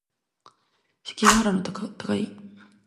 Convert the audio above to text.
関ヶ原の戦い